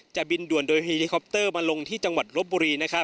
จะบินด่วนโดยเฮลลิคอปเตอร์มาที่จังหวัดลบบุรี